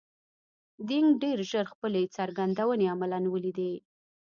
دینګ ډېر ژر خپلې څرګندونې عملاً ولیدې.